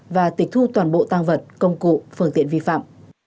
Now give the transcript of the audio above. và tịch thu toàn bộ tăng vật công cụ phương tiện vi phạm